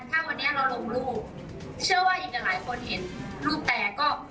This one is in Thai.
ถ้าวันนี้เราลงรูปเชื่อว่าอีกหลายคนเห็นรูปแตก็